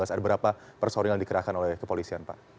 ada berapa personil yang dikerahkan oleh kepolisian pak